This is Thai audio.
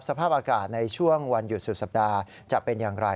สภาพอากาศในช่วงวันหยุดสุดสัปดาห์จะเป็นอย่างไร